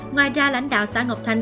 ngoài ra lãnh đạo xã ngọc thanh